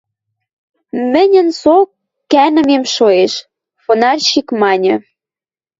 — Мӹньӹн соок кӓнӹмем шоэш, — фонарщик маньы.